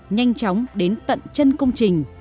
nhanh chóng đến tận chân công trình